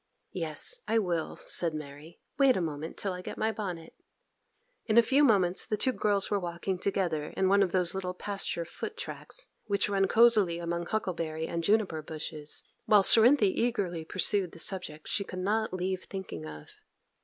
'Yes, I will,' said Mary; 'wait a moment till I get my bonnet.' In a few moments the two girls were walking together in one of those little pasture foot tracks which run cosily among huckleberry and juniper bushes, while Cerinthy eagerly pursued the subject she could not leave thinking of.